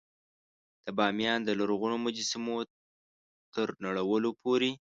د بامیان د لرغونو مجسمو تر نړولو پورې.